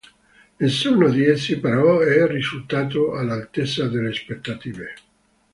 Nessuno di essi, però, è risultato all'altezza delle aspettative.